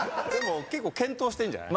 結構健闘してんじゃない。